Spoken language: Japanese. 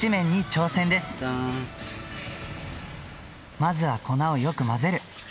まずは粉をよく混ぜる。